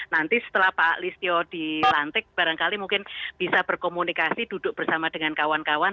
nanti setelah pak listio dilantik barangkali mungkin bisa berkomunikasi duduk bersama dengan kawan kawan